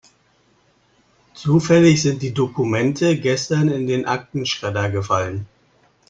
Zufällig sind die Dokumente gestern in den Aktenschredder gefallen.